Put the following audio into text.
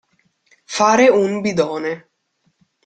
Fare un bidone.